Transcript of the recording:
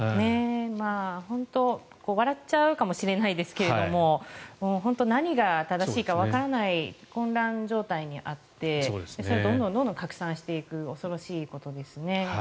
本当に笑っちゃうかもしれないですが本当、何が正しいかわからない混乱状態にあってどんどん拡散していく恐ろしいことですね。